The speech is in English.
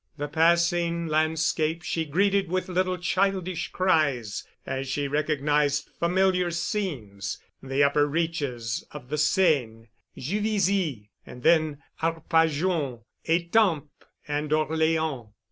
The passing landscape she greeted with little childish cries as she recognized familiar scenes—the upper reaches of the Seine, Juvisy, then Arpajon, Etampes and Orleans.